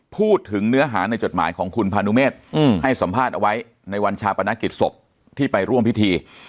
พูดถึงเนื้อหาในจดหมายของคุณพานุเมฆให้สัมภาษณ์เอาไว้ในวันชาปนกิจศพที่ไปร่วมพิธี